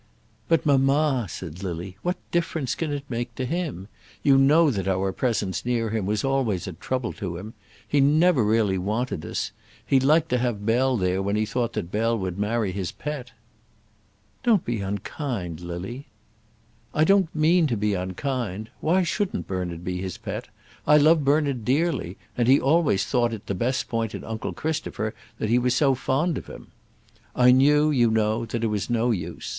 "But, mamma," said Lily, "what difference can it make to him? You know that our presence near him was always a trouble to him. He never really wanted us. He liked to have Bell there when he thought that Bell would marry his pet." "Don't be unkind, Lily." "I don't mean to be unkind. Why shouldn't Bernard be his pet? I love Bernard dearly, and always thought it the best point in uncle Christopher that he was so fond of him. I knew, you know, that it was no use.